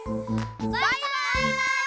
バイバイ！